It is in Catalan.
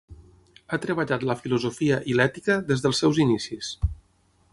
Ha treballat la filosofia i l'ètica des dels seus inicis.